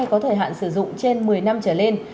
có thời hạn sử dụng trên một mươi năm trở lên